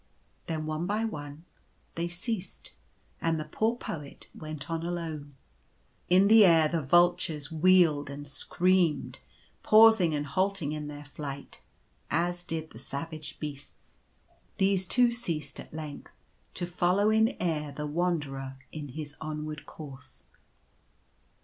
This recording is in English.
Then one by one they ceased, and the poor Poet went on alone. In the air the vultures wheeled and screamed, pausing and halting in their flight, as did the savage beasts. These too ceased at length to follow in air the Wanderer in his onward course.